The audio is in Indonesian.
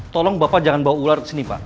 tolong bapak jangan bawa ular ke sini pak